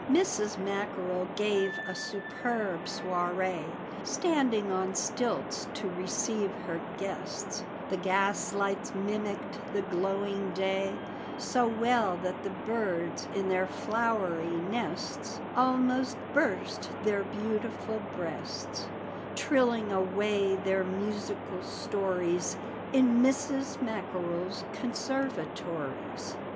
Mrs. Mackerel gave a superb soirée, Standing on stilts to receive her guests; The gas lights mimicked the glowing day So well, that the birds, in their flowery nests, Almost burst their beautiful breasts, Trilling away their musical stories In Mrs. Mackerel's conservatories.